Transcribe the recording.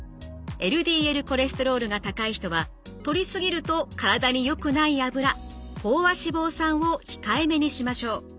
ＬＤＬコレステロールが高い人はとり過ぎると体によくない脂飽和脂肪酸を控えめにしましょう。